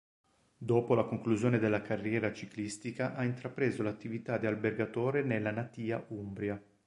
Dopo la conclusione della carriera ciclistica ha intrapreso l'attività di albergatore nella natia Umbria.